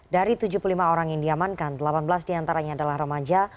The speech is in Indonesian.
dari tujuh puluh lima orang yang diamankan delapan belas diantaranya adalah remaja